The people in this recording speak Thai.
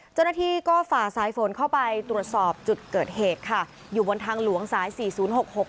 เจ้าหน้าที่ก็ฝ่าสายฝนเข้าไปตรวจสอบจุดเกิดเหตุค่ะอยู่บนทางหลวงสายสี่ศูนย์หกหก